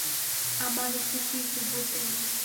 عمل د څه شي ثبوت دی؟